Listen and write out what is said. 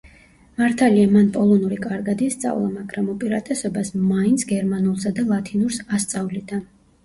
მართალია მან პოლონური კარგად ისწავლა, მაგრამ უპირატესობას მაინც გერმანულსა და ლათინურს ასწავლიდა.